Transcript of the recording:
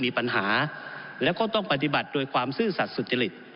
ผมอภิปรายเรื่องการขยายสมภาษณ์รถไฟฟ้าสายสีเขียวนะครับ